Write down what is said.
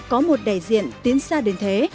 có một đại diện tiến xa đến thế